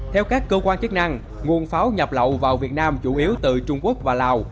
theo các cơ quan chức năng nguồn pháo nhập lậu vào việt nam chủ yếu từ trung quốc và lào